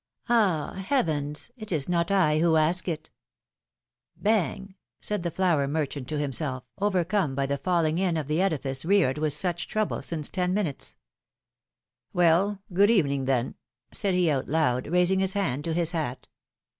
Ah! heavens! It is not I who ask it !" Bang !" said the flour merchant to himself, overcome by the falling in of the edifice reared with such trouble since ten minutes. 60 PHILOM^NE^S MARRIAGES. ^^Well! good evening, then,^^ said he out loud, raising his hand to his hat.